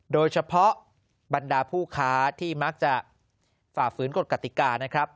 โดยเฉพาะบรรดาผู้ค้าที่มักจะฝ่าฝืนกฎกติกานะครับ